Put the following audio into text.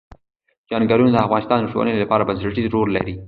چنګلونه د افغانستان د ټولنې لپاره بنسټيز رول لري.